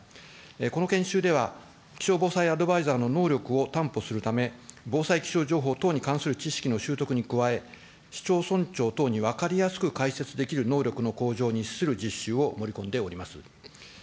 この研修では、気象防災アドバイザーの能力を担保するため、防災気象情報等に関する知識の習得に加え、市長村長等に分かりやすく解説できる能力の向上に資する実習を盛り込んでおります。